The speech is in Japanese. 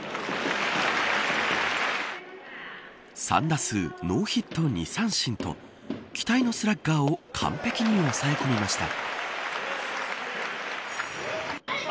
３打数ノーヒット２三振と期待のスラッガーを完璧に抑え込みました。